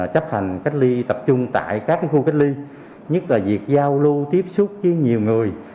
các khu cách ly nhất là việc giao lưu tiếp xúc với nhiều người